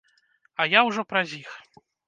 А я ўжо праз іх.